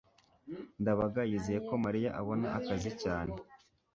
ndabaga yizeye ko mariya abona akazi cyane